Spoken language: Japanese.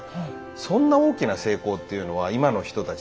そんな大きな成功というのは今の人たち